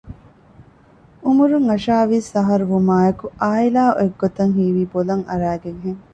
އުމުރުން އަށާވީސް އަހަރު ވުމާއެކު އާއިލާ އޮތްގޮތަށް ހީވީ ބޮލަށް އަރައިގެންހެން